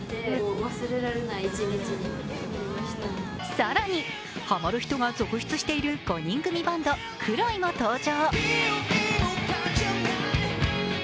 更に、ハマる人が続出している５人組バンド・Ｋｒｏｉも登場。